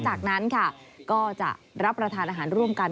จากนั้นค่ะก็จะรับประทานอาหารร่วมกัน